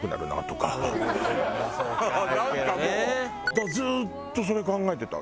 だからずっとそれ考えてた。